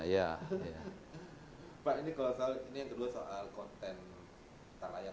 pak ini kalau soal ini yang kedua soal konten talayar